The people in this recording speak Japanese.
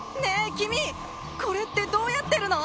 君これってどうやってるの？